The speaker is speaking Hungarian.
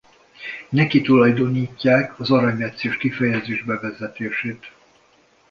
Neki tulajdonítják az aranymetszés kifejezés bevezetését.